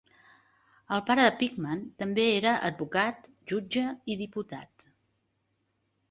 El pare de Peckham també era advocat, jutge i diputat.